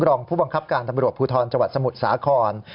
รองผู้บังคับการตำรวจภูทรจังหวัดสมุทรสาคร